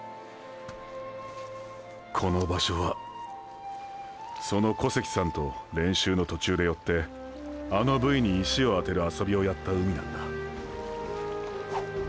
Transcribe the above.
この場所はその小関さんと練習の途中で寄ってあのブイに石を当てるアソビをやった海なんだ。